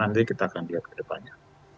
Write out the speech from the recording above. nanti kita akan lihat ke depannya